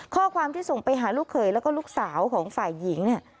ข้อความที่ส่งไปหาลูกเขยแล้วก็ลูกสาวของฝ่ายหญิงเนี่ย